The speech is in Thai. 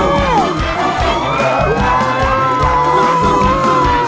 ร้องได้ให้ร้าง